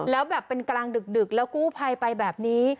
แล้วแบบเป็นกลางดึกแล้วกู้ภัยไปแบบนี้